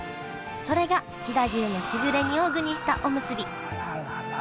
それが飛騨牛のしぐれ煮を具にしたおむすびあらららら。